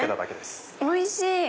おいしい！